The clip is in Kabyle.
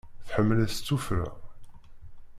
Tḥemmel-it s tuffra.